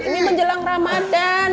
ini menjelang ramadan